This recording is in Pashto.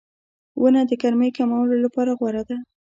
• ونه د ګرمۍ کمولو لپاره غوره ده.